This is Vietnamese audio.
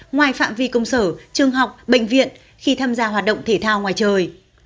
ngoài phạm vi công sở trường học bệnh viện khi tham gia hoạt động thể thao ngoài trời